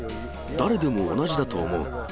誰でも同じだと思う。